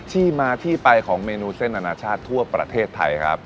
ที่มาที่ไปของเมนูเส้นอนาชาติทั่วประเทศไทยครับ